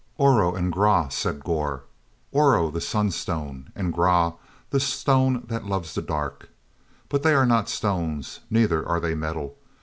"Oro and Grah," said Gor. "Oro, the sun stone, and Grah, the stone that loves the dark. But they are not stones, neither are they metal.